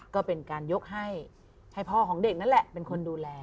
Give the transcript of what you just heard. ก็เป็นการยกให้ให้พ่อของเด็กนั่นแหละเป็นคนดูแล